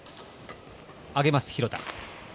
上げます、廣田。